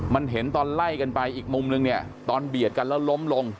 มันเห็นตอนไล่กันไปอีกมุมนึงเนี่ยตอนเบียดกันแล้วล้มลง